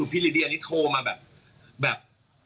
พี่ลิดี้อันนี้โทรมาแบบ